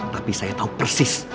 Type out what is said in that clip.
tapi saya tahu persis